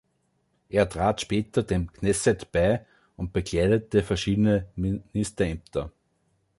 Er trat später dem Knesset bei und bekleidete verschiedene Ministerämter.